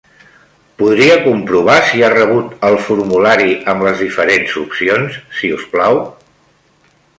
Podria comprovar si ha rebut el formulari amb les diferents opcions, si us plau?